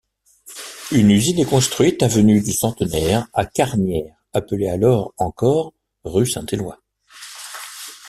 Une usine est construite avenue du Centenaire à Carnières appelée alors encore rue Saint-Eloi.